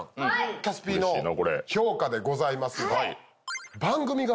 キャスＰの評価でございます。